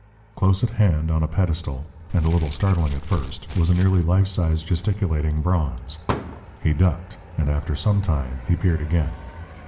Close at hand, on a pedestal, and a little startling at first, was a nearly life size gesticulating bronze. He ducked, and after some time he peered again.